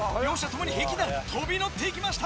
ともに平均台に飛び乗っていきました。